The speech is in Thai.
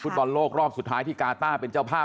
บอลโลกรอบสุดท้ายที่กาต้าเป็นเจ้าภาพ